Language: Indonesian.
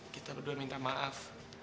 kita berdua minta maaf